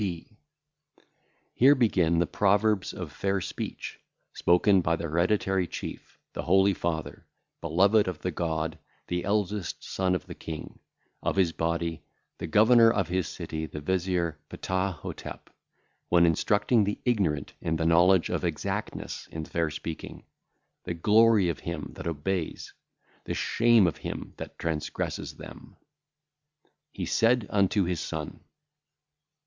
B. Here begin the proverbs of fair speech, spoken by the Hereditary Chief, the Holy Father, Beloved of the God, the Eldest Son of the King, of his body, the Governor of his City, the Vezier, Ptah hotep, when instructing the ignorant in the knowledge of exactness in fair speaking; the glory of him that obeyeth, the shame of him that transgresseth them. He said unto his son: 1.